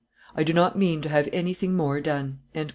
I do not mean to have anything more done."